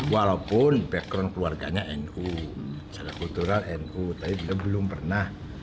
walaupun background keluarganya nu secara kultural nu tapi belum pernah